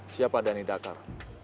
siapa dhani dakar